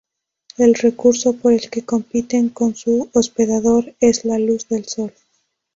El recurso por el que compiten con su hospedador es la luz del Sol.